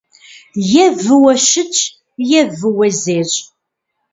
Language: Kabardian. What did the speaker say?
Е выуэ щытщ, е выуэ зещӏ.